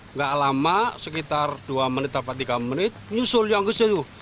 nggak lama sekitar dua menit atau tiga menit nyusul yang kering